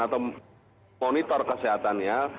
atau monitor kesehatannya